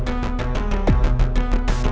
hati aku sebagai life